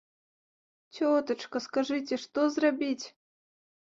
Цётачка, скажыце, што зрабіць?